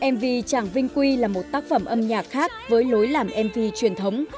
mv chàng vinh quy là một tác phẩm âm nhạc khác với lối làm mv truyền thống